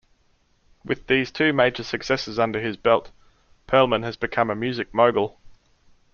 With these two major successes under his belt, Pearlman had become a music mogul.